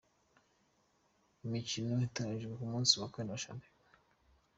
Imikino iteganyijwe y’umunsi wa kane wa Shampiona.